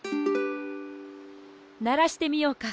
ならしてみようか。